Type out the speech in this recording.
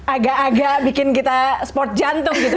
agak agak bikin kita sport jantung gitu